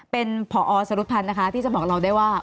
เป็นผสรุทธรรมที่จะบอกเราได้ว่า